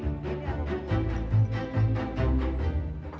hidangan di rumpu rampe